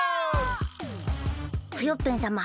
クヨッペンさま